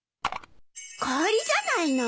氷じゃないの。